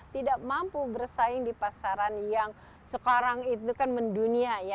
tidak mampu bersaing di pasaran yang sekarang itu kan mendunia ya